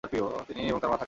তিনি এবং তাঁর মা থাকতেন।